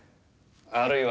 あるいは。